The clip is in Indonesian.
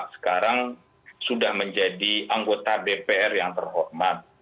sekarang sudah menjadi anggota dpr yang terhormat